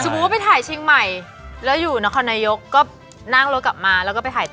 ว่าไปถ่ายเชียงใหม่แล้วอยู่นครนายกก็นั่งรถกลับมาแล้วก็ไปถ่าย